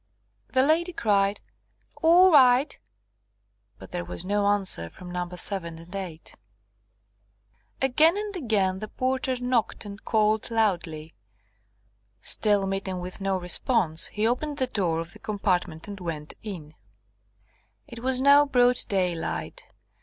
The lady cried "All right," but there was no answer from No. 7 and 8. Again and again the porter knocked and called loudly. Still meeting with no response, he opened the door of the compartment and went in. It was now broad daylight.